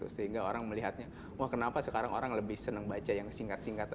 sehingga orang melihatnya wah kenapa sekarang orang lebih senang baca yang singkat singkat